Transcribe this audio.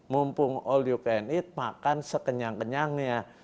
mumpung all you can eat makan sekenyang kenyangnya